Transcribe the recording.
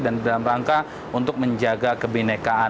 dan dalam rangka untuk menjaga kebenekaan